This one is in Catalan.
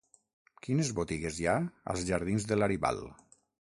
Quines botigues hi ha als jardins de Laribal?